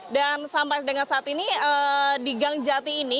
dan sampai dengan saat ini di gangjati ini